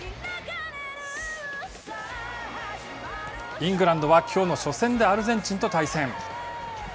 イングランドはきょうの初戦でアルゼンチンと対戦。